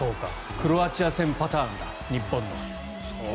クロアチア戦パターンだ日本の。